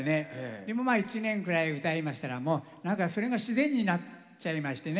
でもまあ１年ぐらいうたいましたら何かそれが自然になっちゃいましてね